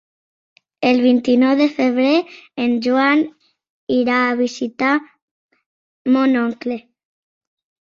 El vint-i-nou de febrer en Joan irà a visitar mon oncle.